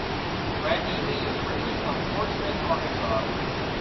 Brad Neely is originally from Fort Smith, Arkansas.